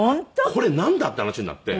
これなんだ？っていう話になって。